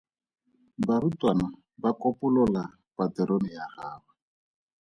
Barutwana ba kopolola paterone ya gagwe.